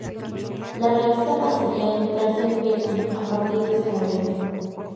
La revista pasaría a editarse en Pekín a partir de ese momento.